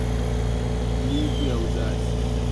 Livu ya uzazi